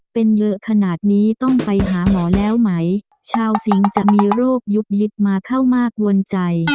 เป็นเยอะขนาดนี้ต้องไปหาหมอแล้วไหมชาวสิงศ์จะมีโรคยุบลิดมาเข้ามากวนใจ